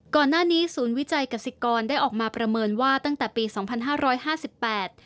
ก่อนหน้านี้ศูนย์วิจัยกษิกรได้ออกมาประเมินว่าตั้งแต่ปีสองพันห้าร้อยห้าสิบแปด